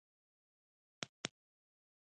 دا وخت زموږ د صبر کاسه ډکیږي